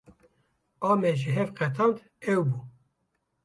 A me ji hev qetand ew bû.